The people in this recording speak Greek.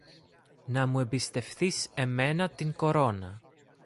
να μου εμπιστευθείς εμένα την κορώνα